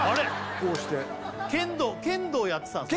こうして剣道剣道やってたんすね